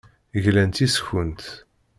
Glant yes-kent.